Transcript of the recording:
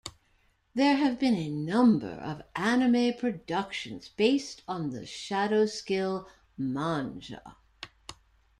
There have been a number of anime productions based on the "Shadow Skill" manga.